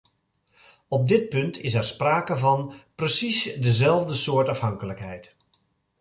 Op dit punt is er sprake van precies dezelfde soort afhankelijkheid.